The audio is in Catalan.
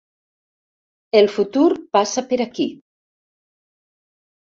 El futur passa per aquí.